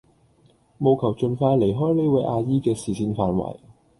務求盡快離開呢位阿姨嘅視線範圍